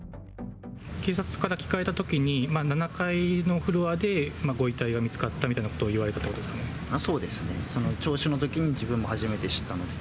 警察から聞かれたときに、７階のフロアでご遺体が見つかったみたいなことを言われたというそうですね、聴取のときに自分も初めて知ったので。